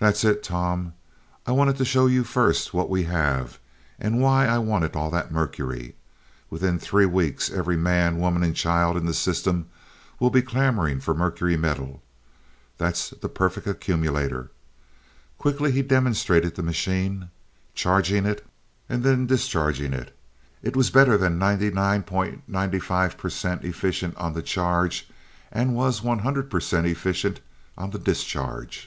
"That's it, Tom. I wanted to show you first what we have, and why I wanted all that mercury. Within three weeks, every man, woman and child in the system will be clamoring for mercury metal. That's the perfect accumulator." Quickly he demonstrated the machine, charging it, and then discharging it. It was better than 99.95% efficient on the charge, and was 100% efficient on the discharge.